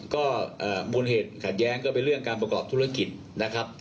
ก็มูลเหตุขัดแย้งก็เป็นเรื่องการประกอบธุรกิจนะครับ